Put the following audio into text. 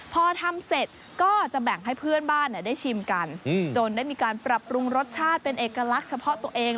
พอทำเสร็จก็จะแบ่งให้เพื่อนบ้านได้ชิมกันจนได้มีการปรับปรุงรสชาติเป็นเอกลักษณ์เฉพาะตัวเอง